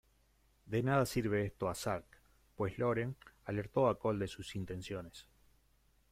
De nada sirve esto a Sark, pues Lauren alertó a Cole de sus intenciones.